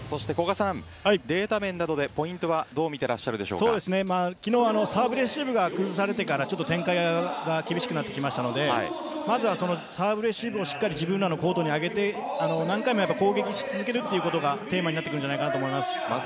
古賀さんデータ面などでポイントは昨日はサーブレシーブが崩されてから展開が厳しくなってきましたのでまずはサーブレシーブをしっかり自分らのコートに上げて何回も攻撃し続けることがテーマになります。